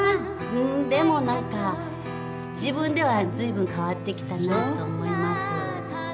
でもなんか自分では随分変わってきたなと思います。